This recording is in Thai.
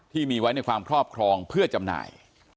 ที่มีไว้ในความครอบครองเพื่อจำหน่าย